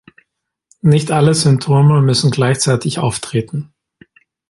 Nicht alle Symptome müssen gleichzeitig auftreten.